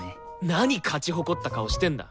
なに勝ち誇った顔してんだ。